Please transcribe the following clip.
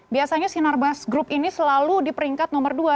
biasanya sinarbas group ini selalu di peringkat nomor dua